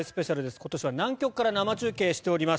今年は南極から生中継しております。